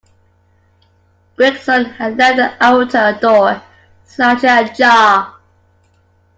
Gregson had left the outer door slightly ajar.